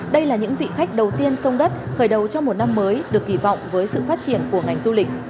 đây là những vị khách đầu tiên sông đất khởi đầu cho một năm mới được kỳ vọng với sự phát triển của ngành du lịch